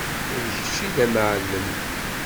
D kečč ay d amɛellem.